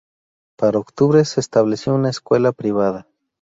Para octubre, se estableció una escuela privada.